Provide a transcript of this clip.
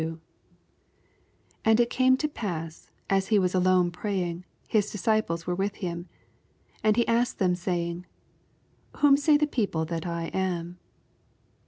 18 And it came to pass, as he was ftlone praying, his disciples were with him: and he asked them, saying, Whom say the people that I am